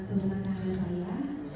itu sebutkan nama nya